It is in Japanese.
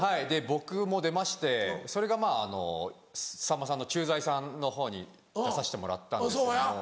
僕も出ましてそれがまぁさんまさんの「駐在さん」に出さしてもらったんですけども。